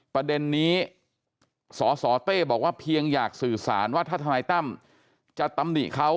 ประเด็นนี้สสเต้บอกว่าเพียงอยากสื่อสารว่าถ้าทนายตั้มจะตำหนิเขา